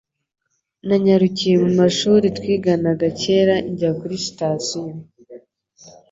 Nanyarukiye mu munyeshuri twiganaga kera njya kuri sitasiyo.